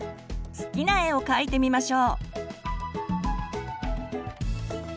好きな絵を描いてみましょう。